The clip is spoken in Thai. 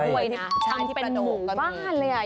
ทำกับผู้เป็นหมูบ้านกันนะ